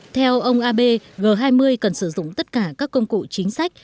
theo ông abe g hai mươi cần sử dụng tất cả các công cụ chính sách